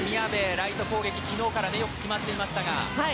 ライト攻撃が昨日からよく決まっていましたが。